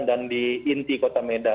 dan di inti kota medan